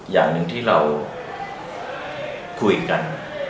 อย่างหนึ่งที่เราคุยกัน